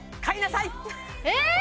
えっ？